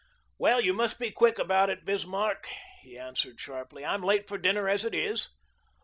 "Well, you must be quick about it, Bismarck," he answered sharply. "I'm late for dinner, as it is."